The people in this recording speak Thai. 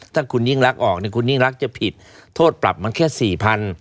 ถ้าคุณยิ่งรักออกคุณยิ่งรักจะผิดโทษปรับมันแค่สี่พัน